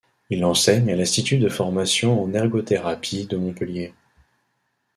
Il enseigne à l’Institut de formation en ergothérapie de Montpellier.